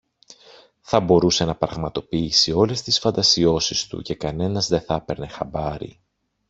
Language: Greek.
Θα μπορούσε να πραγματοποιήσει όλες τις φαντασιώσεις του και κανένας δε θα ´παιρνε χαμπάρι